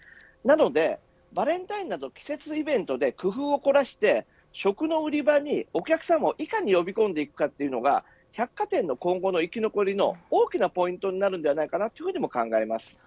なので、バレンタインなど季節イベントで工夫を凝らして食の売り場にお客さんをいかに呼び込んでいくかというのが百貨店の今後の生き残りの大きなポイントになるのではないかと思います。